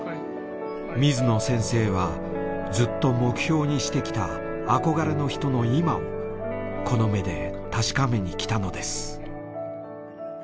水野先生はずっと目標にしてきた憧れの人の今をこの目で確かめに来たのです。